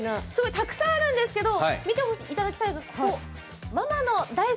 たくさんあるんですが見ていただきたいのはこちらです。